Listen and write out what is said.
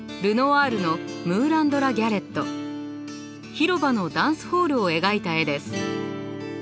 広場のダンスホールを描いた絵です。